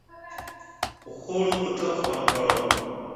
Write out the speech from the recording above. Uhuru kutoka kwa mkoloni